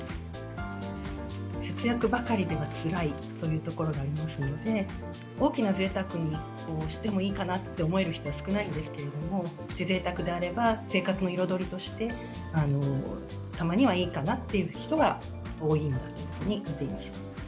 節約ばかりではつらいというところもありますので、大きなぜいたくをしてもいいかなって思える人は少ないんですけれども、プチぜいたくであれば生活の彩りとして、たまにはいいかなっていう人が多いかなというふうに見ています。